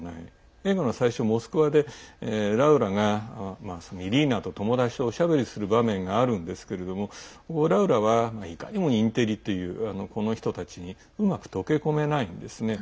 映画の最初、モスクワでラウラが、イリーナと友達とおしゃべりする場面があるんですけれどもラウラは、いかにもインテリっていうこの人たちにうまく溶け込めないんですね。